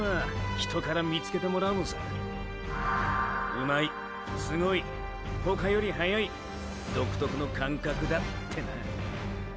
「うまい」「すごい」「他より速い」「独特の感覚だ」ーーてな。